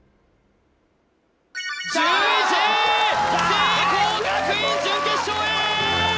聖光学院準決勝へ！